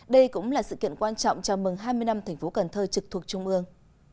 đây cũng là sự kiện quan trọng chào mừng hai mươi năm tp cần thơ trực thuộc trung ương